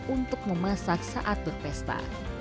untuk memasak saat berpesta